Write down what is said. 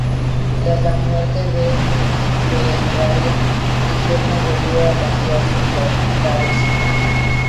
Tras la muerte de Berengario, Guillermo volvió a cambiar sus lealtades.